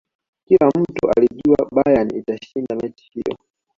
kila mtu alijua bayern itashinda mechi hiyo